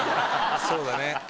そうだね。